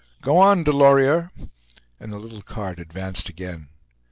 "Go on, Delorier," and the little cart advanced again.